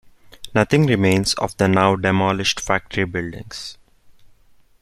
Nothing remains of the now demolished factory buildings.